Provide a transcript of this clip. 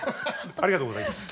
ありがとうございます。